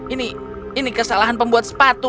ini ini kesalahan pembuat sepatu